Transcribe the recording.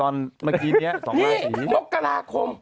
นี่หมุกกลาคม